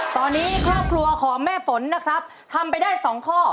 ตอนนี้ครอบครัวของแม่ฝนนะครับทำไปได้๒ข้อ